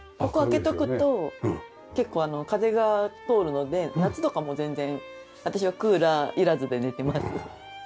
ここ開けておくと結構風が通るので夏とかも全然私はクーラーいらずで寝てます。